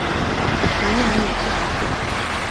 不愿意不得不